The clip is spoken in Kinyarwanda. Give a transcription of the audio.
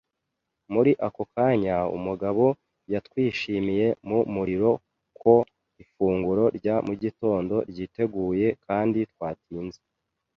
Muri ako kanya, umugabo yatwishimiye mu muriro ko ifunguro rya mu gitondo ryiteguye, kandi twatinze